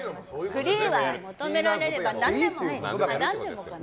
フリーは求められれば何でも。何でもかな。